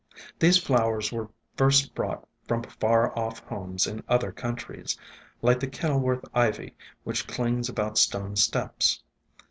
These flowers were first brought from far off homes in other countries, like the Kenilworth Ivy, which clings about stone steps.